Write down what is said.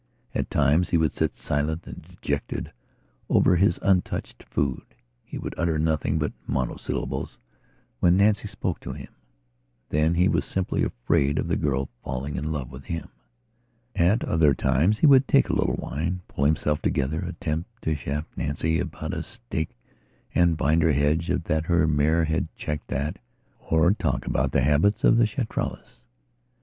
At times he would sit silent and dejected over his untouched food. He would utter nothing but monosyllables when Nancy spoke to him. Then he was simply afraid of the girl falling in love with him. At other times he would take a little wine; pull himself together; attempt to chaff Nancy about a stake and binder hedge that her mare had checked at, or talk about the habits of the Chitralis.